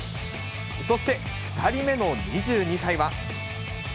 そして２人目の２２歳は。